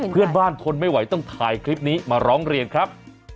ทนไม่ไหวต้องถ่ายคลิปนี้มาร้องเรียนครับ